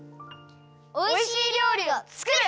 おいしいりょうりをつくる！